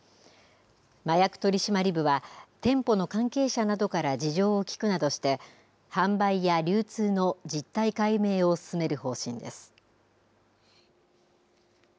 麻薬取締部は、店舗の関係者などから事情を聴くなどして、販売や流通の実態解明を進める方針です。